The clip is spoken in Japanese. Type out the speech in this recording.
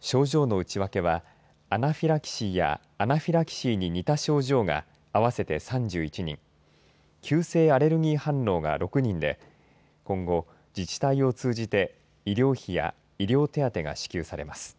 症状の内訳はアナフィラキシーやアナフィラキシーに似た症状が合わせて３１人急性アレルギー反応が６人で今後、自治体を通じて医療費や医療手当が支給されます。